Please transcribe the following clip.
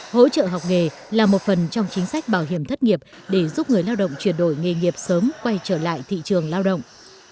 hỗ trợ học nghề là một phần trong chính sách bảo hiểm thất nghiệp để giúp người lao động chuyển đổi nghề nghiệp sớm quay trở lại thị trường lao động